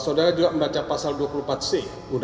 jadi kita harus menjaga kekuasaan